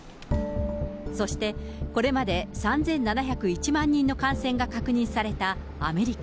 そしてこれまで３７０１万人の感染が確認されたアメリカ。